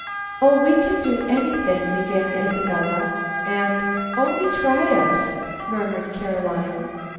"O, we can do anything," began Isabella; and "Only try us," murmured Caroline.